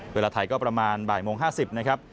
เวลาไทยก็ประมาณบ่ายโมง๕๐นะครับ